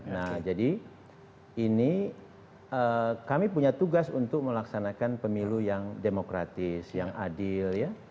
nah jadi ini kami punya tugas untuk melaksanakan pemilu yang demokratis yang adil